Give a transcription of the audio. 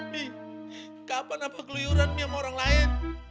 be kapan apa keluyuran mi sama orang lain